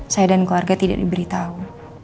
saya dan keluarga tidak diberitahu